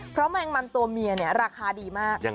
เพราะแมงมันตัวเมียเนี่ยราคาดีมาก